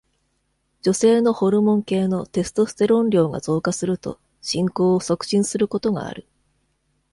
女性のホルモン系のテストステロン量が増加すると進行を促進することがある。